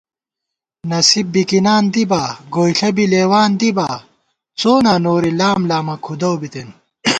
نصیب بِکِنان دِبا ، گوئیݪہ بی لېوان دِبا ، څُؤ نا نوری لام لامہ کھُدَؤ بِتېن